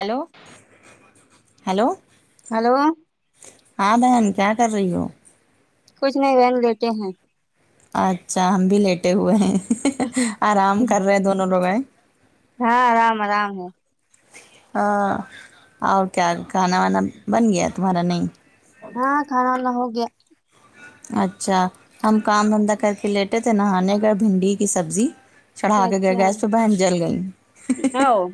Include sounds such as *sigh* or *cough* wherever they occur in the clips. hello hello hello ہاں بہن کیا کر رہی ہو کچھ نہیں بہن لیٹی ہوں اچھا ہم بھی لیٹے ہوئے ہیں آرام کر رہے دونوں لوگ ہنں ہاں آرام آرام ہے ہاں اور کیا کھانا وانا بن گیا تمہارا نہیں ہاں کھانا وانا ہو گیا اچھا ہم کام دھندہ کر کے لیٹے تھے نہانے گے بھنڈی کی سبزی چڑھا کے گئے اچھا گیس پہ بہن جل گئی او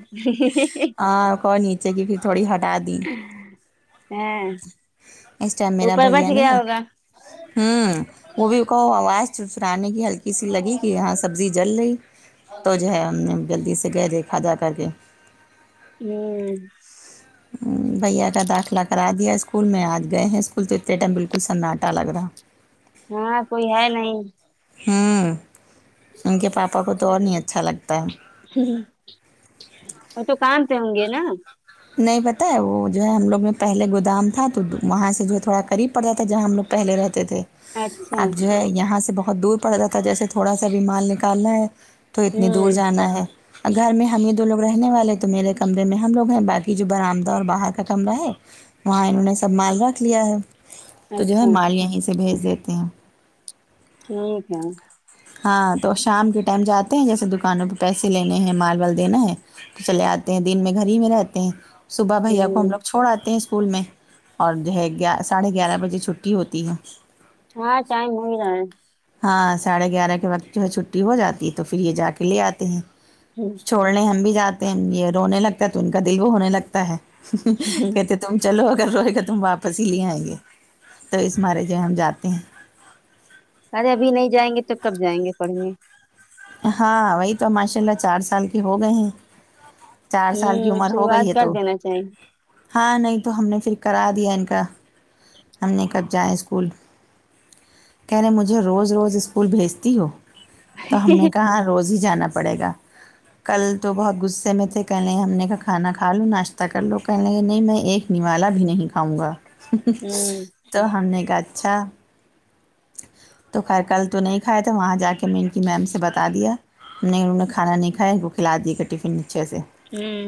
ہاں کوئی نی جلی ہوئی تھوڑی ہٹا دی ہاں اس ٹائم میرا اوپر بچ بھیا نہیں گیا ہے ہوگا ہوں وہ بھی کہ آواز سسرانے کی آری کی سی لگی کہ ہاں سبزی جل رہی تو جو ہے ہم نے جلدی سے گئے دیکھا جا کر کے ہ بھیا کا داخلہ کرا دیا اسکول میں آج گئے ہیں اسکول تو اتنے ٹائم بالکل سناٹا لگ رہا ہاں کوئی ہے نہیں ہوں ان کے پاپا کو تو اور نہیں اچھا لگتا ہے ہ وہ تو کام پہ ہوں گے نا نہیں پتہ ہے وہ جو ہے ہم لوگ میں پہلے گودام تھا تو وہاں سے جو ہے تھوڑا قریب پڑتا تھا جہاں ہم لوگ پہلے رہتے تھے اچھا اب جو ہے یہاں سے بہت دور پڑتا تھا جیسے تھوڑا سا بھی مال نکالنا ہے تو اتنی دور ہوں جانا ہے گھر میں ہم ہی دو لوگ رہنے والے تو میرے کمرے میں ہم لوگ ہیں باقی کہ جو برآمدہ اور باہر کا کمرہ ہے وہاں انہوں نے سب مال رکھ لیا ہے تو جو ہے اچھا مال یہیں سے بھیج دیتے ہیں ٹھیک ہے ہاں تو شام کے ٹائم جاتے ہیں جیسے دکانوں پہ پیسے لینے ہیں مال وال دینا ہے تو چلے آتے ہیں دن میں گھر ہی میں رہتے ہیں صبح بھیا کو ہوں ہم لوگ چھوڑ آتے ہیں اسکول میں اور جو ہے گی ساڑھے گیارہ بجے چھٹی ہوتی ہے ہاں ٹائم ہوئی رہا ہے ہاں ساڑھے گیارہ کے وقت جو ہے چھٹی ہو جاتی ہے تو پھر یہ جا کے لے آتے ہیں ہوں چھوڑنے ہم بھی جاتے ہیں یہ رونے لگتا ہے تو ان کا دل وہ ہونے لگتا ہے کہتے تم چلو اگر روئے گا تم واپس ہی لے آئیں گے تو اس مارے جو ہم جاتے ہیں ارے ابھی نہیں جائیں گے تو کب جائیں گے پڑھنے ہاں وہی تو ماشاء اللہ چار سال کے ہو گئے ہیں چار سال کی ہوں عمر ہو گئی شروعات ہے کر تو دینا چاہیے ہاں نہیں تو ہم نے پھر کرا دیا ان کا ہم نے کب جائیں اسکول کہہ رہے ہیں مجھے روز روز اسکول بھیجتی ہو تو ہم نے کہا روز ہی جانا پڑے گا کل تو بہت غصے میں تھے کہہ لیں ہم نے کا کھانا کھا لوں ناشتہ کر لو کہ لیں کہ نہیں میں ایک نیوالا بھی نہیں کھاؤں گا ہوں تو ہم نے کا اچھا تو خیر کل تو نہیں کھائے تھے وہاں جا کے م کہ میم سے بتا دیا ہم نے انہوں نے کھانا نہیں کھیا ان کو کھلا دیا تھا ٹیفن نیچھے سے ہوں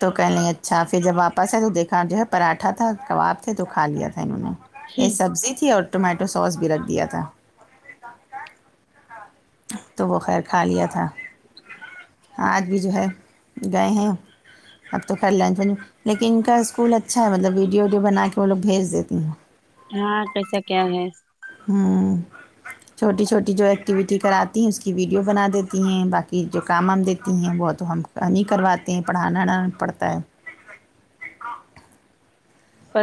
تو کہہ لیں اچھا پھر جب واپس آئے تو دیکھا جو ہے پراٹھا تھا کباب تھے تو کھا لیا تھا انہوں نے یہ سبزی تھی اور ٹومیٹو سوس بھی رکھ دیا تھا تو وہ خیر کھا لیا تھا آج بھی جو ہے گئے ہیں اب تو خیر لنچ میں لیکن ان کا اسکول اچھا ہے مطلب ویڈیو ویڈیو بنا کے وہ لوگ بھیج دیتے ہیں ہاں کیسا کیا ہے ہوں چھوٹی چھوٹی جو ایکٹیوٹی چھٹی کراتی ہیں اس کی ویڈیو بنا دیتی ہیں باقی جو کام ہم دیتی ہیں وہ تو ہم نہیں کرواتے ہیں پڑھانا نہ پڑتا ہے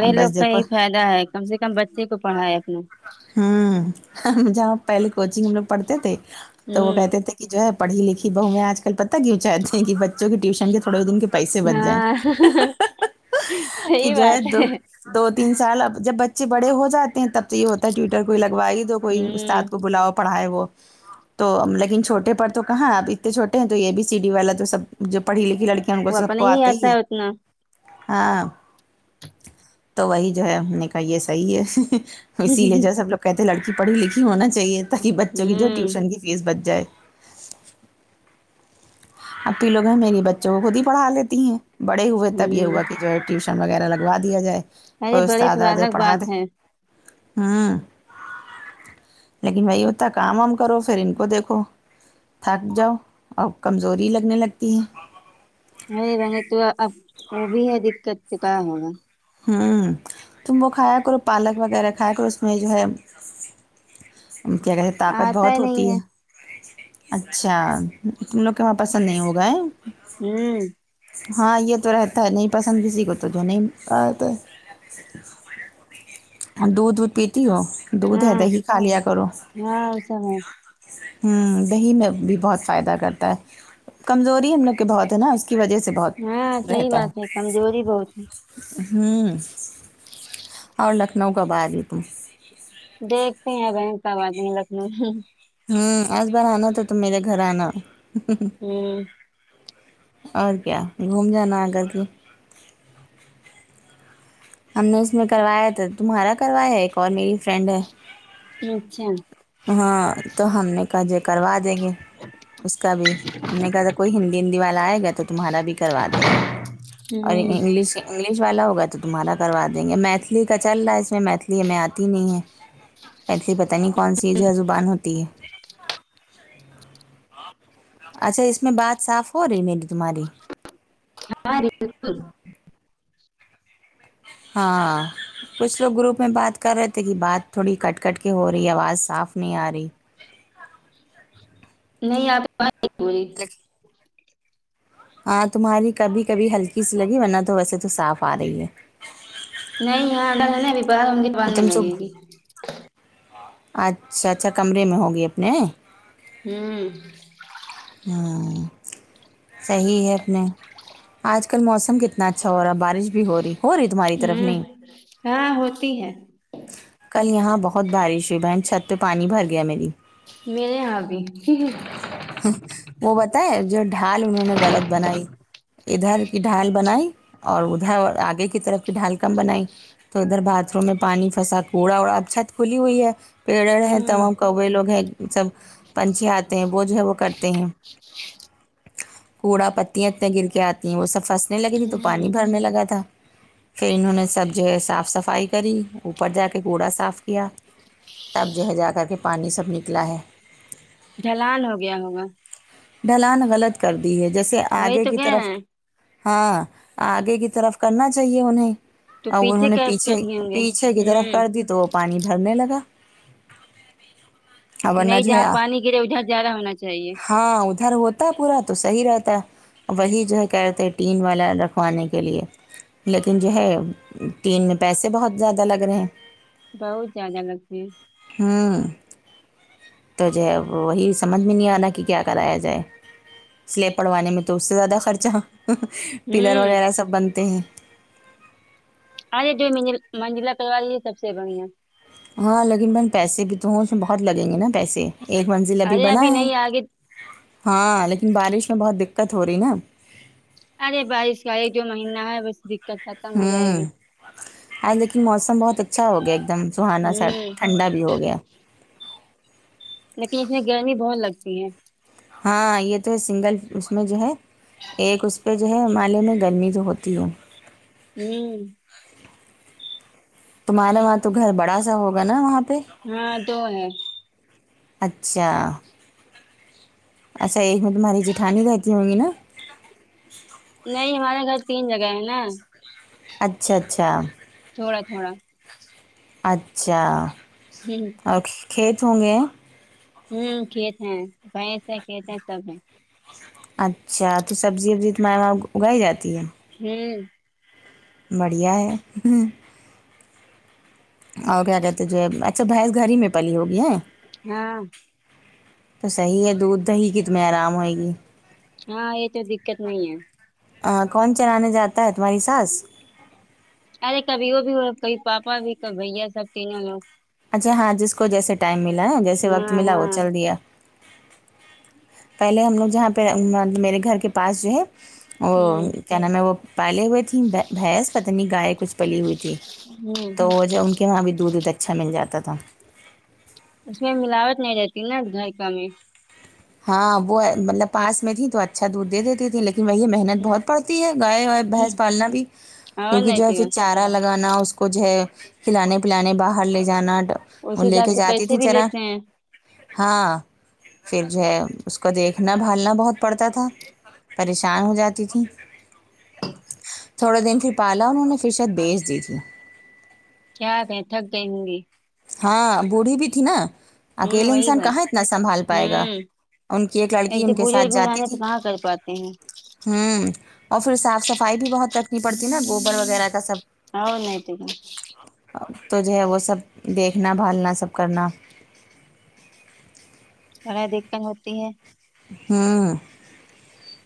اب لوگ بس کا یہی دیکھو فائدہ ہے کم سے کم بچے کو پھڑائے اپنا ہوں جہاں پہلے کوچنگ ہم لوگ پڑھتے تھے تو وہ ہوں کہتے تھے کہ جو ہے پڑھی لکھی بہو میں آج کل پتا کیوں چاہتے ہیں کہ بچوں کے ٹیوشن کے تھوڑے دن کے پیسے بچ جائے ہاں صحیح بات ہے دو تین سال اب جب بچے بڑے ہو جاتے ہیں تب تو یہ ہوتا ہے ٹویٹر کو لگوائے دو کوئی استاد ہوں کو بلاؤ پڑھائے وہ تو لیکن چھوٹے پر تو کہاں ہے اب اتنے چھوٹے ہیں تو یہے بی سی ڈی والا تو سب جو پڑھی لکھی لڑکی ان کو سب کو آتا ہی ہے ہاں تو وہی جو ہے ہم نے کہا یہ صحیح ہے اسی لیے جو ہے سب لوگ کہتے ہیں لڑکی پڑھی لکھی ہونا چاہیے تاکہ بچوں کی جو ہے ہوں ٹیوشن کی فیس بچ جائے اپپی لوگ ہیں میری بچوں کو خود ہی پڑا لیتی ہیں بڑے ہوئے تب یہ ہوں ہوا کہ جو ہے ٹیوش وغیرہ لگوا دیا جائے ارے کوئی بڑے استاد تو آجائے الگ پڑھا دے بات ہے ہوں لیکن وہی ہوتا کام وام کرو پھر ان کو دیکھو تھک جاؤ اور کمزوری لگنے لگتی ہے ارے بہن تو اب وہ بھی ہے دقت تو کیا ہوگا ہوں تم وہ کھایا کرو پالک وغیرہ کھایا کرو اس میں جو ہے کیا کہتے ہیں طاقت آتا ہی بہت ہوتی نہیں ہے اچھا تم لوگ کے وہاں پسند نہیں ہوگا ہے ہمم ہاں یہ تو رہتا ہے نہیں پسند کسی کو تو جو نہیں ہاں تو دودھ وودھ پیتی ہو دودھ ہے ہاں دہی کھا لیا کرو ہاں وہ سب ہے ہمم دہی میں بھی بہت فائدہ کرتا ہے کمزوری ہم لوگ کے بہت ہے نا کی وجہ سے ہاں بہت صحیح رہتا ہے بات کمزوری بہت ہیں ہوں اور لکھنؤ کب آرہی تم دیکھتے ہیں بھن کب اتے ہے لکھنؤ ہوں آس بار آنا تو تم میرے گھر آنا ہوں اور کیا گھوم جانا اگر تو ہم نے اس میں کروایا تھا تمہارا کروایا ہے ایک اور میری فرینڈ ہے اچھا ہاں تو ہم نے کہا جے کروا دیں گے اس کا بھی ہم نے کہا تھا کوئی ہندی ہندی والا آئے گیا تو تمہارا بھی کروا دیں گے اور ہوں انگ انگلش والا ہوگا تو تمہارا کروا دیں گے میتھلی کا چل رہا ہے اس میں میتھلی ہمیں آتی نہیں ہے میتھلی پتا نہیں کون سی جو ہے زبان ہوتی ہے اچھا اس میں بات صاف ہو رہی میری تمہاری ہارے ضرور *unintelligible* ہاں کچھ لوگ گروپ میں بات کر رہے تھے کہ بات تھوڑی کٹ کٹ کے ہو رہی آواز صاف نہیں آ رہی نہیں آپ رہی *unintelligible* *unintelligible* ہاں تمہاری کبھی کبھی ہلکی سی لگی ورنہ تو ویسے تو صاف آ رہی ہے *unintelligible* نہیں یہاںد ابھی باہار ہوں گے تو بڑنے تم لگے صبح گی اچھا اچھا کمرے میں ہوگی اپنے ہوں ہاں صحیح ہے اپنے آج کل موسم کتنا اچھا ہو رہا ہے بارش بھی ہو رہی ہو رہی تمہاری طرف ہوں نہیں ہاں ہوتی ہے کل یہاں بہت بارش ہوئی بہن چھت پہ پانی بھر گیا میری میرے یہاں بھی وہ بتائے جو ڈھال انہوں نے غلط بنائی ادھر کی ڈھال بنائی اور ادھر اور آگے کی طرف کی ڈھال کم بنائی تو ادھر باتھ روم میں پانی پھسا کوڑا وڑا اب چھت کھلی ہوئی ہے پیڑڑ ہے ہوں تمام کوے لوگ ہیں سب پنچیات وہ جو ہے وہ کرتے ہیں کوڑا پتیاں اتنے گر کے آتی ہیں وہ سب فست لگی تھی تو ہوں پانی بھرنے لگا تھا پھر انہوں نے سب جو ہے صاف صفائی کری اوپر جا کے گڑا صاف کیا تب جو ہے جا کر کے پانی سب نکلا ہے ڈھلان ہو گیا ہوگا ڈھلان غلط کر دی ہے جیسے وہی آگے تو کی کہہ طرف رہے ہیں ہاں آگے کی طرف کرنا چاہیے انہیں تو ا انہوں نے کیا پیچھے کر دیے ہوں گے پیچھے کی طرف ہوں کر دی تو وہ پانی بھرنے لگا اور کہ ورنہ نہیں جو ہے جہاں پانی کے لیے ادھر زیادہ ہونا چاہیے ہاں ادھر ہوتا ہے پورا تو صحیح رہتا ہے وہی جو ہے کہ رہتے ہیں ٹین والا رکھوانے کے لیے لیکن جو ہے تین میں پیسے بہت زیادہ لگ رہے ہیں بہت زیادہ لگتی ہیں ہوں تو جو ہے وہی اس سمجھ میں نہیں آ رہا کہ کیا کرایا جائے سلیب پڑھوانے میں تو اس سے زیادہ خرچہ پلر ہوں وغیرہ سب بنتے ہیں اے جومنجل منجلا کرلوا لیے سب سے بڑھیا ہاں لیکن میں پیسے بھی تو ہوں اس میں بہت لگیں گے نا پیسے ایک منزل ابھی ارے بنا ہے نہیں آگے ہاں لیکن بارش میں بہت دقت ہو رہی نا ارے بارش کا ایک دو مہینہ ہے بس دقت ختم ہو جائے گی ہے لیکن موسم ہم بہت اچھا ہو گیا ایک دم سہانا سا ہوں ٹھنڈا بھی ہو گیا لیکن اس میں گرمی بہت لگتی ہے ہاں یہ تو ہے سنگل اس میں جو ہے ایک اس پہ جو ہے مالے میں گرمی جو ہوتی ہے ہوں تمہارے وہاں تو گ بڑا ہوگا نا وہاں پ ہاں دو ہے اچھا اچھا ایک میں تمہاری جیٹھانی رہتی ہوں گی نا نہیں ہمارے گھر تین جگہ ہے نا اچھا اچھا تھوڑا تھوڑا اچھا ہوں اور کھیت ہوں گے ہوں کھیت ہیں بیس ہے کھیت ہیں سب ہے اچھا تو سبزی وبزی اتنا اگائی جاتی ہے *unintelligible* ہوں بڑھیا ہے اور کیا کہتے جو اچھا بھینس گھر ہی میں پلی ہوگی ہے ہاں تو صحیح ہے دودھ دہی کی تمہیں آرام ہوئے گی ہاں یہ تو دقت نہیں ہے آ کون چلانے جاتا ہے تمہاری ساس ارے کبھی وہ بھی ہو کبھی پاپا بھی کبھی بھیا سب تینوں لوگ اچھا ہاں جس کو جیسے ٹائم ملا جیسے وقت ہاں ملا وہ ہاں چل دیا پہلے ہم لوگ جہاں پہ میرے گھر کے پاس جو ہے وہ ہوں کیا نام ہے وہ پالے ہوئے تھیں بھینس پتا نئی گائے کچھ پلی ہوئی تھی ہوں تو ان کے وہاں بھی دودھ اچھا مل جاتا تھا اس میں ملاوٹ نہیں رہتی نا دھائکا میں ہاں وہ مطلب پاس میں تھی تو اچھا دودھ دے دیتی تھی لیکن وہی مہ بہت پڑتی ہے گائے اور بھینس پالنا بھی اور کیونکہ نہیں جو ہے پھر تو چارا را لگانا اس کو جو ہے کھلانے پلانے باہر لے جانا اس وہ لے حساب کے سے جاتی تھی پیسے بھی چرا لیتے ہیں ہاں پھر جو ہے اس کو دیکھنا بھالنا بہت پڑتا تھا پریشان ہو جاتی تھی تھوڑے دن پھر پالا انہوں نے پھر شاید بیچ دی تھی کیا کہ تھک گئے ہوں گی ہاں بوڑھی بھی تھی نا ہوں اکیلے وہی انسان بات کہاں اتنا سنبھال پائے گا ہوں ان کی ایک لڑکی تو ان کے ساتھ بزرگ ہو جاتی جانے تھی پہ کہاں کر پاتے ہیں ہوں اور پھر صاف صفائی بھی بہت رکھنی پڑتی نا گوبر وغیرہ کا سب اور نہیں تو کیا تو جو ہے وہ سب دیکھنا بھالنا سب کرنا *unintelligible* دقت ہوتی ہے ہاں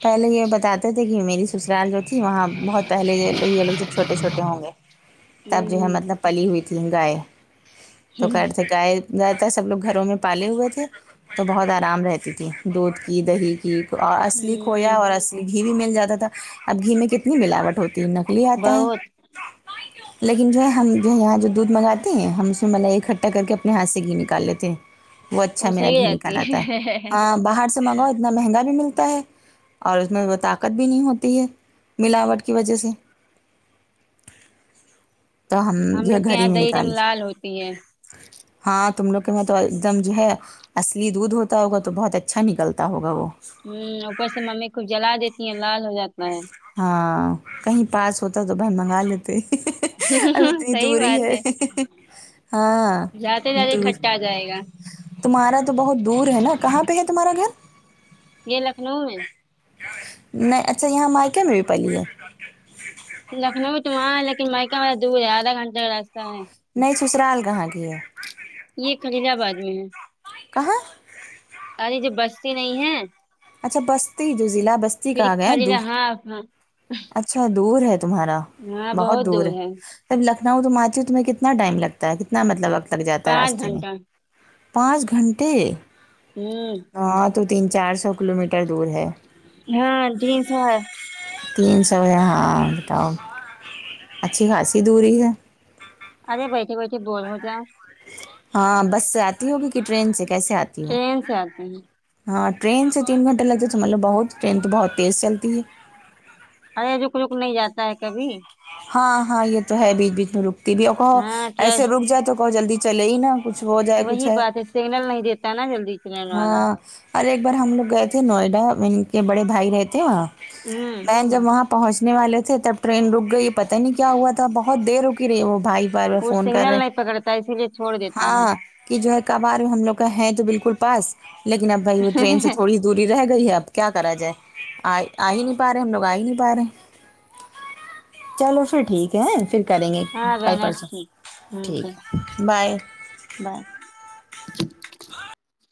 پہلے یہ بتاتے تھے کہ میری سسرال جو تھی وہاں بہت پہلے جو یہ لوگ جب چھوٹے چھوٹے ہوں گے تب جو ہے ہوں مطلب پلی ہوئی تھی گائے تو کر گاے اتنا اچھا سب لوگ گھروں میں پالے ہوئے تھے تو بہت آرام رہتی تھی دودھ کی دہی کی اصلی ہوں کھویا اور اصلی گھی بھی مل جاتا تھا اب گھی میں کتنی ملاوٹ ہوتی ہے نکلی آتا ہے بہت لیکن جو ہے ہم جو ہے یہاں جو دودھ منگاتے ہیں ہم اسے ملائی اکٹھا کر کے اپنے ہاتھ سے گھی نکال لیتے ہیں وہ اچھا میرا گھی نکال آتا ہے ہاں باہر سے منگاؤ اتنا مہنگا بھی ملتا ہے اور اس میں وہ طاقت بھی نہیں ہوتی ہے ملاوٹ کی وجہ سے تو ہم یہ لوگ کے گھر ہی یہاں میں دہی جم نکال لال ہوتی ہے ہاں تم لوگ کے میں تو ایک دم جو ہے اصلی دودھ ہوتا ہوگا تو بہت اچھا نکلتا ہوگا وہ ہوں اوپر سے ممی خوب جلا دیتی ہیں لال ہو جاتا ہے ہاں کہیں پاس ہوتا تو بھائی منگا لیتے اب اتنی صحیح دوری بات ہے ہاں جاتے جاتے دور کھٹا آ جائے گا تمہارا تو بہت دور ہے نا کہاں پہ ہے تمہارا گھر یہ لکھنؤ میں نہ اچھا یہاں مائکے میں بھی پلی ہے لکھنؤ تو وہاں ہے لیکن مائکا ما دور ہے آدھا گھنٹے کا راستہ ہے نہیں سسرال کہاں کی ہے یہ خلید آباد میں ہے کہاں ارے جو بستی نہیں ہے اچھا بستی جو ضلع بستی پھر کا آ گیا ہے خلیل دور ہاں ہاں اچھا دور ہے تمہارا بہت دور ہے جب لکھنؤ تم آتی ہو تمہیں کتنا ٹائم لگتا کتنا مطلب وقت لگ جاتا ہے پانچ راستے میں گھنٹہ پانچ گھنٹے ہوں ہاں تو تین چار سو کلو میٹر دور ہے ہاں جینس ہے تین سو ہے ہاں بتاؤ اچھی خاصی دوری ہے ارے بیٹھیے بیٹھیے بولو جا ہاں بس سے آتی ہوگی کہ ٹرین سے کیسے آتی ہو ٹرین سے آتے ہیں ہاں ٹرین سے تین گھنٹے لگتے تو مت لو بہت ٹرین تو بہت تیز چلتی ہے ارے روک روک نہیں جاتا ہے کبھی ہاں ہاں یہ تو ہے بیچ بیچ میں رکتی بھی اور کہو ہاں ایسے ٹرین روک جائے تو کہو جلدی چلے ہی نا کچھ ہو جائے کچھ وہی ہے بات سگنل نہیں دیتا نا جلدی ٹرین والا ہاں اور ایک بار ہم لوگ گئے تھے نوئیڈا ان کے بڑے بھائی رہے تھے وہاں ہوں بہن جب وہاں پہنچنے والے تھے تب ٹرین رک گئی پتا نہیں کیا ہوا تھا بہت دیر رکی رہی ہے وہ بھائی بار بار وہ فون کر سگنل رہے نہیں پکڑتا اسی لیے چھوڑ ہاں دیتا ہے ہاں کہ جو ہے کبھار ہم لوگ کا ہے تو بالکل پاس لیکن اب بھائی وہ ٹرین سے تھوڑی دوری رہ گئی ہے اب کیا کرا جائے آ آ ہی نہیں پا رہے ہیں ہم لوگ آ ہی نہیں پا رہے ہیں چلو پھر ٹھیک ہے پھر کریں گے ہاں کل بہن اور پرسوں ٹھیک ٹھیک ہے بائے بابۓ